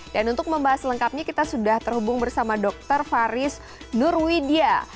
dan untuk membahas lengkapnya kita sudah terhubung bersama dr faris nurwidya